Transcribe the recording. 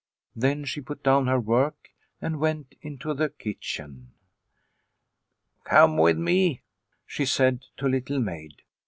Then she put down her work and went into the kitchen. The Accusation 221 " Come with me," she said to Little Maid.